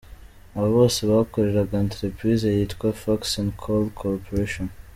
Aba bose bakoreraga entreprise yitwa Fuxin Coal Corporation.